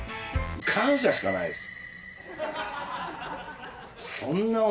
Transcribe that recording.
感謝しかないですよ。